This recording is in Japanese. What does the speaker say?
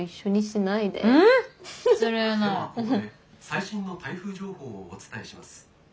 「最新の台風情報をお伝えします。